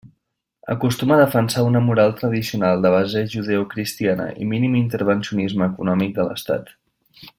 Acostuma a defensar una moral tradicional de base judeocristiana i mínim intervencionisme econòmic de l'Estat.